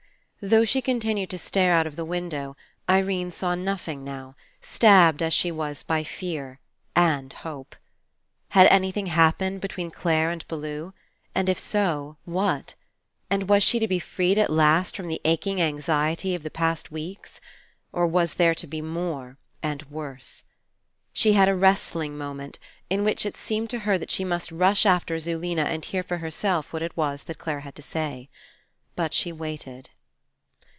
Though she continued to stare out of the window, Irene saw nothing now, stabbed as she was by fear — and hope. Had anything happened between Clare and Bellew? And if so, what? And was she to be freed at last from the aching anxiety of the past weeks? Or was there to be more, and worse? She had a wrest ling moment, in which it seemed that she must 189 PASSING rush after Zulena and hear for herself what it was that Clare had to say. But she waited.